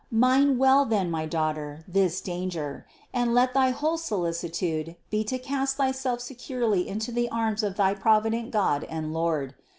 727. Mind well, then, my daughter, this danger, and let thy whole solicitude be to cast thyself securely into the arms of thy provident God and Lord.